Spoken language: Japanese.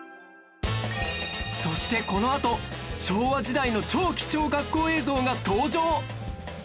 そしてこのあと昭和時代の超貴重学校映像が登場！